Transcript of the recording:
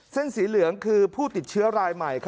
เส้นสีเหลืองคือผู้ติดเชื้อรายใหม่